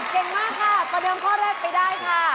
เก่งมากค่ะประเดิมข้อแรกไปได้ค่ะ